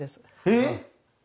えっ